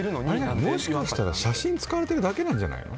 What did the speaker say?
もしかしたら写真を使われてるだけなんじゃないの？